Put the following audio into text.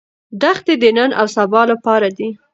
دښتې د نن او سبا لپاره دي.